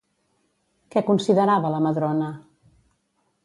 Què considerava la Madrona?